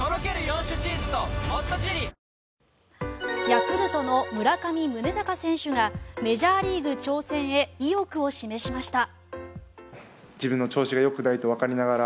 ヤクルトの村上宗隆選手がメジャーリーグ挑戦へ意欲を示しました。